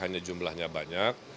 hanya jumlahnya banyak